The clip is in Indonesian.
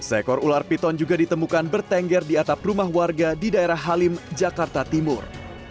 seekor ular piton juga ditemukan bertengger di atap rumah warga di daerah halim jakarta timur